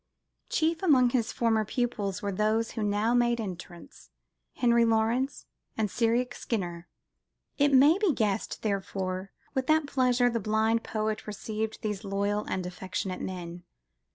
Chief among his former pupils were those who now made entrance Henry Lawrence and Cyriac Skinner. It may be guessed, therefore, with what pleasure the blind poet received these loyal and affectionate men.